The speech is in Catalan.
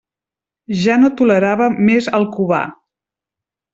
Ja no tolerava més el Cubà.